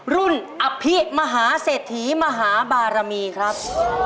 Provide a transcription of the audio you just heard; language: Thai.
อภิมหาเศรษฐีมหาบารมีครับ